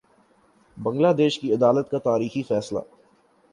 بنگلہ دیش کی عدالت کا تاریخی فیصلہ